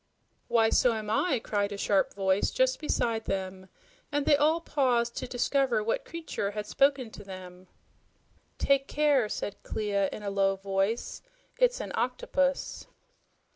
"Why, so am I!" cried a sharp voice just beside them, and they all paused to discover what creature had spoken to them. "Take care," said Clia in a low voice. "It's an octopus."